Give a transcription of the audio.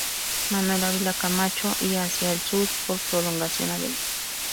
Manuel Ávila Camacho" y hacia el sur por "Prolongación Av.